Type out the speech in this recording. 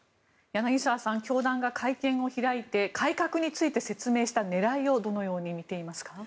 柳澤さん教団が会見を開いて改革について説明した狙いをどのように見ていますか。